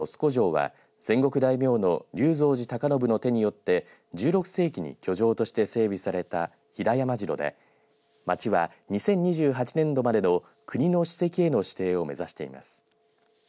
白石町の須古城は戦国大名の龍造寺隆信の手によって１６世紀に居城として整備された平山城で町は２０２８年度までの国の史跡への指定を目指しています。